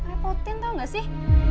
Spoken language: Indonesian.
repotin tau gak sih